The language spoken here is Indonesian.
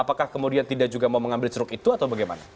apakah kemudian tidak juga mau mengambil ceruk itu atau bagaimana